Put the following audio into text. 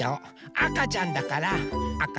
あかちゃんだからあかね。